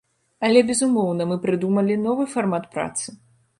Але, безумоўна, мы прыдумалі новы фармат працы.